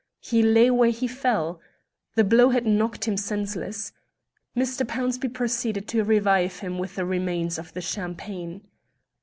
He lay where he fell. The blow had knocked him senseless. Mr. Pownceby proceeded to revive him with the remains of the champagne.